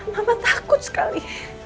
mama takut sekali